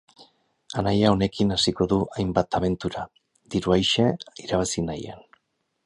Anaia honekin hasiko ditu hainbat abentura, diru aise irabazi nahian.